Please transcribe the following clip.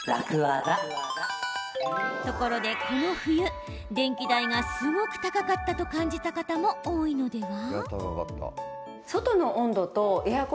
ところで、この冬電気代がすごく高かったと感じた方も多いのでは？